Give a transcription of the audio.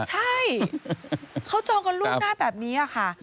ใช่เขาจองกันล่วงหน้าแบบนี้ค่ะ